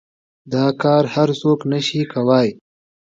دا کار هر سوک نشي کواى.